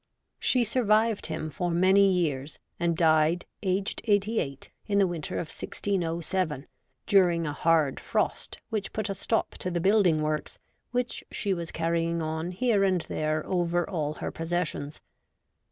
She sur vived him for many years, and died, aged eighty eight, in the winter of 1607, during a hard frost which put a stop to the building works which she was carrying on here and there over all her posses sions.